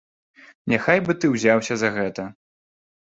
Няхай бы ты ўзяўся за гэта.